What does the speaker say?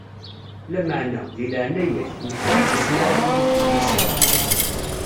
Lameɛna, di leɛnaya-k, mmekti-yi-d ass mi ara tiliḍ di liser.